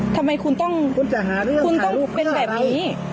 ทำไมคุณต้องคุณต้องเป็นแบบนี้